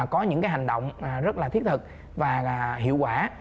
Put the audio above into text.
có những hành động rất là thiết thực và hiệu quả